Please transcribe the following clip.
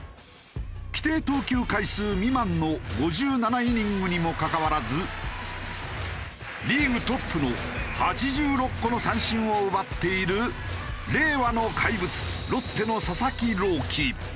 規定投球回数未満の５７イニングにもかかわらずリーグトップの８６個の三振を奪っている令和の怪物ロッテの佐々木朗希。